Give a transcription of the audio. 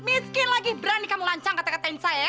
miskin lagi berani kamu lancang kata katain saya ya